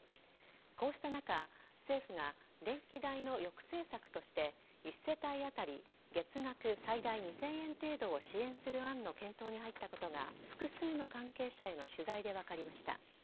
こうした中政府が電気代の抑制策として１世帯当たり月額最大２０００円程度を支援する案の検討に入ったことが複数の関係者への取材で分かりました。